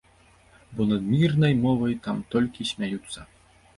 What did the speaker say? Бо над мірнай мовай там толькі смяюцца.